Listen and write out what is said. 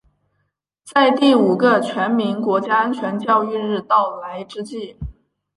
在第五个全民国家安全教育日到来之际